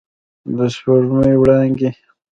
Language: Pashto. د سپوږمۍ وړانګې